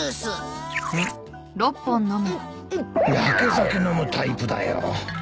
やけ酒飲むタイプだよ。